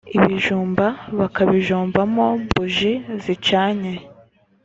ibijumba bakabijombamo buji zicanye